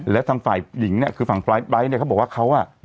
แล้วทางฝ่ายหญิงเนี่ยคือฝั่งไฟล์ไลท์เนี่ยเขาบอกว่าเขาอ่ะ